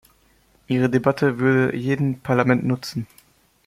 Ihre Debatte würde jedem Parlament nutzen.